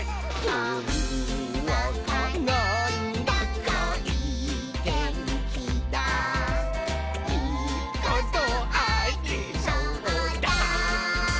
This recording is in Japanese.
「ほんわかなんだかいいてんきだいいことありそうだ！」